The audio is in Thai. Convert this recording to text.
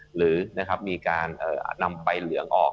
หรือมีการนำใบเหลืองออก